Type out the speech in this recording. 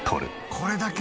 これだけ？